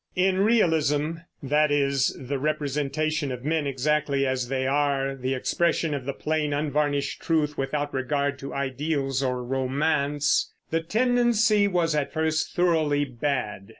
In realism that is, the representation of men exactly as they are, the expression of the plain, unvarnished truth without regard to ideals or romance the tendency was at first thoroughly bad.